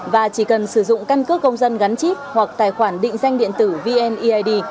và chỉ cần sử dụng căn cước công dân gắn chip hoặc tài khoản định danh điện tử vneid